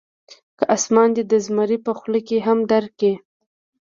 که اسمان دې د زمري په خوله کې هم درکړي.